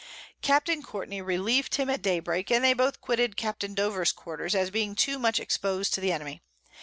Capt. Courtney relieved him at Day break, and they both quitted Capt. Dover's Quarters, as being too much expos'd to the Enemy.